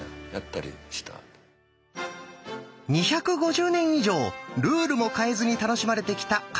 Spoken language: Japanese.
２５０年以上ルールも変えずに楽しまれてきた掛合トランプ。